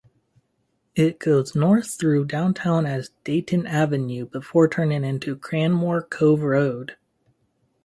It goes north through downtown as Dayton Avenue before turning onto Cranmore Cove Road.